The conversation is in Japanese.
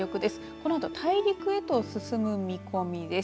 このあと大陸へと進む見込みです。